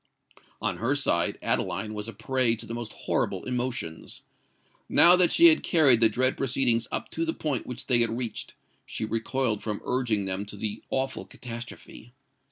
On her side, Adeline was a prey to the most horrible emotions. Now that she had carried the dread proceedings up to the point which they had reached, she recoiled from urging them to the awful catastrophe.